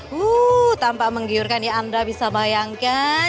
wuh tampak menggiurkan ya anda bisa bayangkan